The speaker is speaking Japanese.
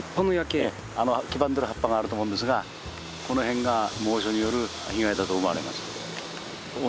黄ばんでいる葉っぱがあると思うんですがこの辺が猛暑による被害だと思われます。